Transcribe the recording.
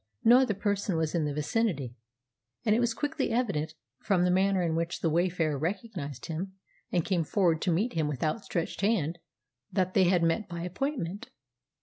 No other person was in the vicinity, and it was quickly evident from the manner in which the wayfarer recognised him and came forward to meet him with outstretched hand that they had met by appointment.